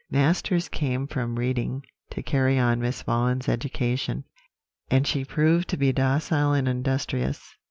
Masters came from Reading to carry on Miss Vaughan's education; and she proved to be docile and industrious.